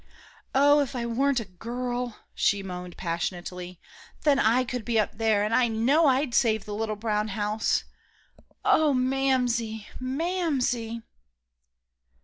"Oh, if I weren't a girl," she moaned passionately, "then I could be up there, and I know I'd save the little brown house. Oh, Mamsie! Mamsie!"